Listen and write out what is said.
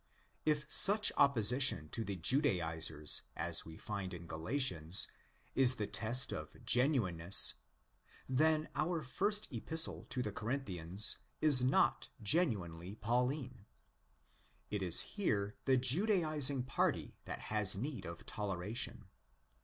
If such opposition to the Judaisers as we find in Galatians is the test of '' genuineness," then our first Epistle to the Corinthians is not genuinely Pauline. It is here the Judaising party that has need of toleration.